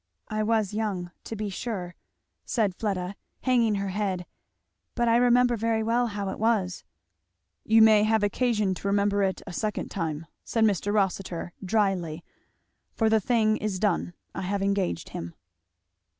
"I was young, to be sure," said Fleda hanging her head, "but I remember very well how it was." "You may have occasion to remember it a second time," said Mr. Rossitur dryly, "for the thing is done. I have engaged him."